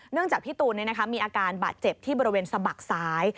จากพี่ตูนมีอาการบาดเจ็บที่บริเวณสะบักซ้าย